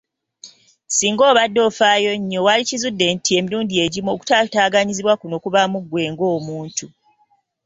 Singa obadde ofaayo nnyo, wandikizudde nti emirundi egimu okutaataganyizibwa kuno kuba mu ggwe ng’omuntu.